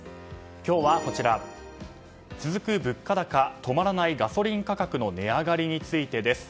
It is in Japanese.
今日はこちら、続く物価高止まらないガソリン価格の値上がりについてです。